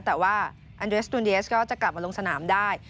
แต่ว่าอันเดสตูนเยสก็จะกลับมาลงสนามได้